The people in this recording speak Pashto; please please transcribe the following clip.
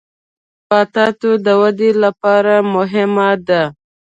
مځکه د نباتاتو د ودې لپاره مهمه ده.